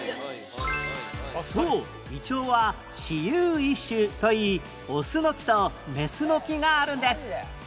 そうイチョウは雌雄異株といいオスの木とメスの木があるんです